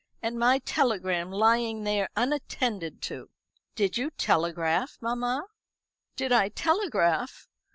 And my telegram lying there unattended to." "Did you telegraph, mamma?" "Did I telegraph?